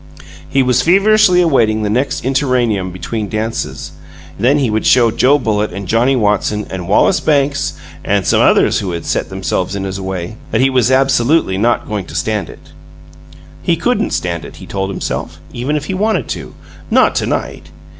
He was feverishly awaiting the next interregnum between dances then he would show Joe Bullitt and Johnnie Watson and Wallace Banks, and some others who had set themselves in his way, that he was "abs'lutely not goin' to stand it!" He couldn't stand it, he told himself, even if he wanted to not to night!